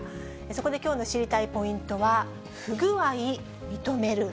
そこできょうの知りたいポイントは、不具合認める。